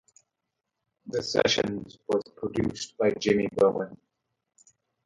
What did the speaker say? The sessions was produced by Jimmy Bowen.